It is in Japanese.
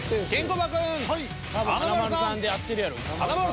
華丸さんで合ってるやろ。